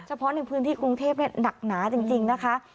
เฉพาะในพื้นที่กรุงเทพเนี่ยหนักหนาจริงจริงนะคะ